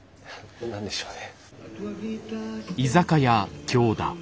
何でしょうね。